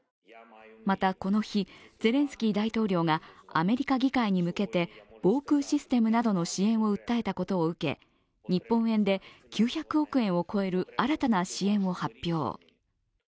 また、この日、ゼレンスキー大統領がアメリカ議会に向けて防空システムなどの支援を訴えたことなどを受け日本円で９００億円を超える新たな支援を発表。